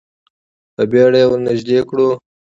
په بیړه یې ور نږدې کړو.